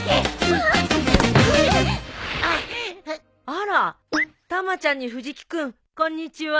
あらたまちゃんに藤木君こんにちは。